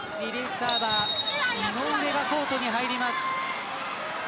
サーバー井上がコートに入ります。